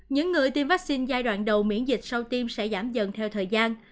những người tiêm vaccine giai đoạn đầu miễn dịch sau tiêm sẽ giảm dần theo thời gian